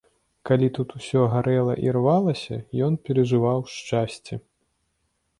Калі тут усё гарэла і рвалася, ён перажываў шчасце.